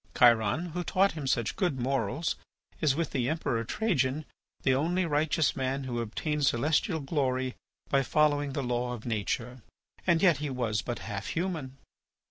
Chiron, who taught him such good morals, is, with the Emperor Trajan, the only righteous man who obtained celestial glory by following the law of nature. And yet he was but half human.